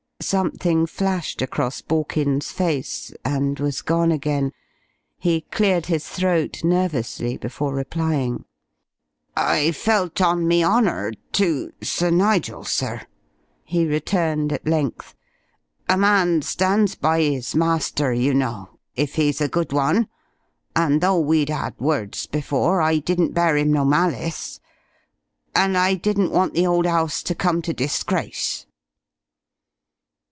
Something flashed across Borkins's face, and was gone again. He cleared his throat nervously before replying: "I felt on me honour to Sir Nigel, sir," he returned at length. "A man stands by his master, you know if 'e's a good one; and though we'd 'ad words before, I didn't bear 'im no malice. And I didn't want the old 'ouse to come to disgrace."